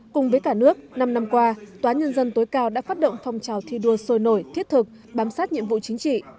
cùng với cả nước năm năm qua tòa nhân dân tối cao đã phát động phong trào thi đua sôi nổi thiết thực bám sát nhiệm vụ chính trị